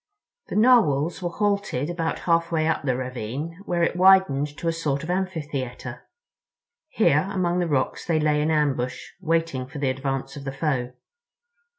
The Narwhals were halted about halfway up the ravine, where it widened to a sort of amphitheater. Here, among the rocks, they lay in ambush, waiting for the advance of the foe.